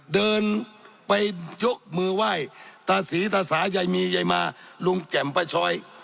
เดินไปยกมือไหว่ตาศีตาสาใยมีใยมาลุงแจ่มประชอย